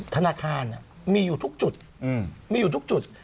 ธนาคารมีอยู่ทุกจุด